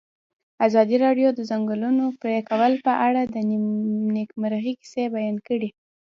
ازادي راډیو د د ځنګلونو پرېکول په اړه د نېکمرغۍ کیسې بیان کړې.